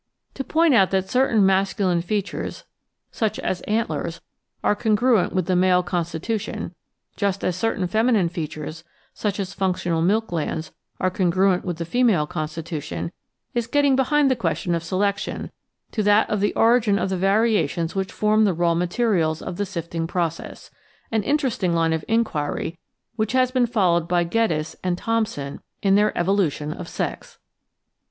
To point out that certain masculine features, such as antlers, are congruent with the male constitution, just as certain feminine features, such as functional milk glands, are congruent with the female constitution, is getting behind the question of selection to that of the origin of the variations which form the raw materi als of the sifting process — ^an interesting line of inquiry which has been followed by Greddes and Thomson in their Evolution of Sex.